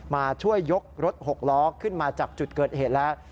มาช่วยยกรถหกล้อขึ้นมาจากจุดเกิดเหตุแล้ว